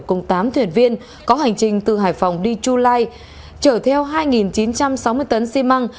cùng tám thuyền viên có hành trình từ hải phòng đi chu lai chở theo hai chín trăm sáu mươi tấn xi măng